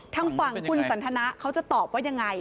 ทางฝั่งคุณสันทนะเขาจะตอบว่ายังไง